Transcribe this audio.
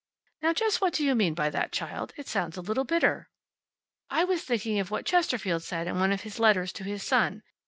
"Now, just what do you mean by that, child? It sounds a little bitter." "I was thinking of what Chesterfield said in one of his Letters to His Son.